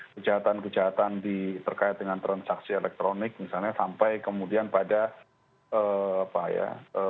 kejahatan kejahatan terkait dengan transaksi elektronik misalnya sampai kemudian pada apa ya